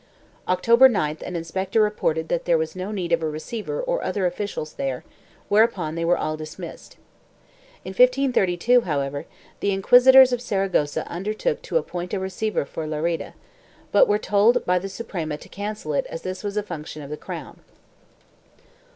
October 9th an inspector reported that there was no need of a receiver or other officials there, whereupon they were all dismissed. In 1532, however, the inquisitors of Saragossa undertook to appoint a receiver for Lerida, but were told by the Suprema to cancel it as this was a function of the crown.